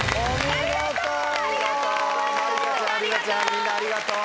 みんなありがとう。